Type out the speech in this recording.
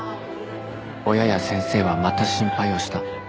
親や先生はまた心配をした